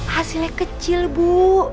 hasilnya kecil bu